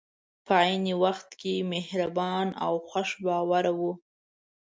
په عین وخت کې مهربان او خوش باوره وو.